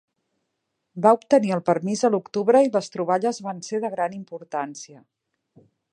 Va obtenir el permís a l'octubre i les troballes van ser de gran importància.